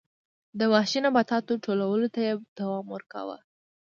د وحشي نباتاتو ټولولو ته یې دوام ورکاوه